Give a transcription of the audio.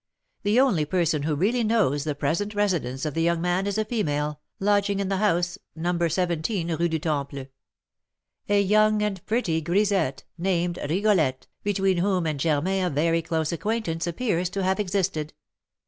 The only person who really knows the present residence of the young man is a female, lodging in the house No. 17 Rue du Temple, a young and pretty grisette, named Rigolette, between whom and Germain a very close acquaintance appears to have existed.